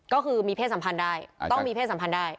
ก็คือมีเพศสัมพันธ์ได้ต้องมีเพศสัมพันธ์ได้